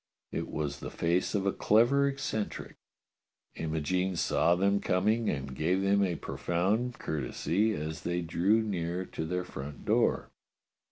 It was the face of a clever eccentric. Imogene saw them coming and gave them a profound courtesy as they drew near to their front door.